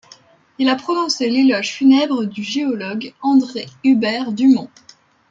Il a prononcé l'éloge funèbre du géologue André Hubert Dumont.